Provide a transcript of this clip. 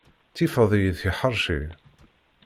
Tifeḍ-iyi tiḥeṛci.